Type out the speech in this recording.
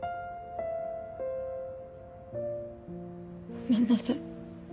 ごめんなさい。